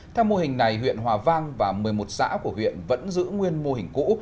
theo mô hình này huyện hòa vang và một mươi một xã của huyện vẫn giữ nguyên mô hình cũ